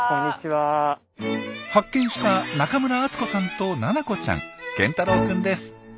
発見した中村敦子さんと奈々子ちゃん憲太郎くんです。